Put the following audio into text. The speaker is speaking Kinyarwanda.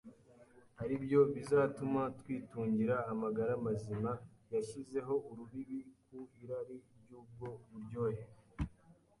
ari byo bizatuma twitungira amagara mazima, yashyizeho urubibi ku irari ry’ubwo buryohe.